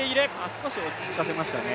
少し落ち着かせましたね。